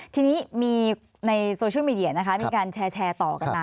ทีนี้มีในโซเชียลมีเดียนะคะมีการแชร์ต่อกันมา